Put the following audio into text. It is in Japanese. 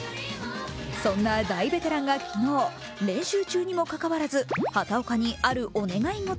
そんな大ベテランが昨日練習中にもかかわらず畑岡にあるお願い事